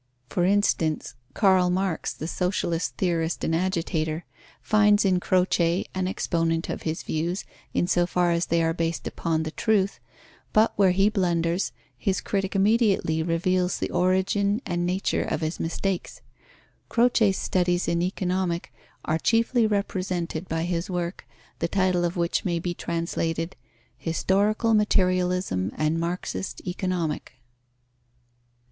For instance, Karl Marx, the socialist theorist and agitator, finds in Croce an exponent of his views, in so far as they are based upon the truth, but where he blunders, his critic immediately reveals the origin and nature of his mistakes. Croce's studies in Economic are chiefly represented by his work, the title of which may be translated "Historical Materialism and Marxist Economic."